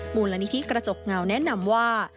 มูลนิธิกระจกเงาแนะนำว่า